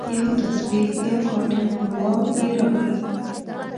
یوه تسبیج او یو کارټن خرما یې راکړل.